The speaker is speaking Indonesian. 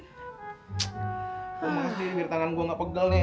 oh maaf sih biar tangan gue gak pegal nih